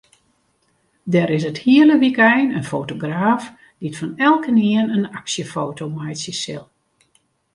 Der is it hiele wykein in fotograaf dy't fan elkenien in aksjefoto meitsje sil.